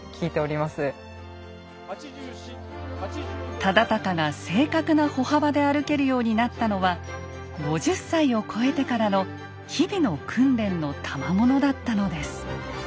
忠敬が正確な歩幅で歩けるようになったのは５０歳を超えてからの日々の訓練のたまものだったのです。